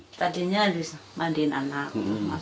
seperti sini sepertinya